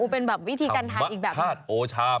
เป็นแบบวิธีการทานอีกแบบ